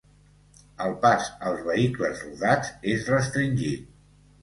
El pas als vehicles rodats és restringit.